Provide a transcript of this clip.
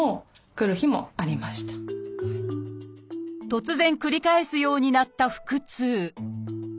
突然繰り返すようになった腹痛。